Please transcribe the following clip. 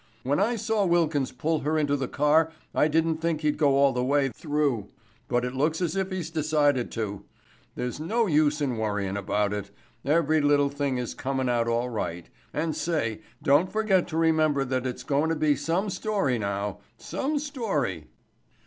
When I saw Wilkins pull her into the car I didn't think he'd go all the way through, but it looks as if he's decided to. There's no use in worryin' about it. Every little thing is comin' out all right—and say—don't forget to remember that it's goin' to be some story now—some story."